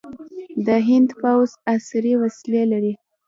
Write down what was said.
د هند پوځ عصري وسلې لري.